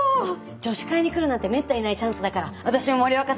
女子会に来るなんてめったにないチャンスだから私も森若さんのこと知りたい！